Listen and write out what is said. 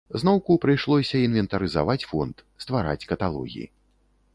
Зноўку прыйшлося інвентарызаваць фонд, ствараць каталогі.